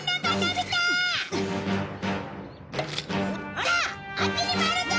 ほらあっちにもあるぞ！